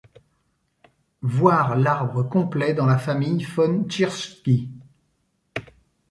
Voir l'arbre complet dans la famille von Tschirschky.